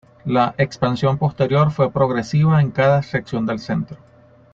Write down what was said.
La expansión posterior fue progresiva en cada sección del centro.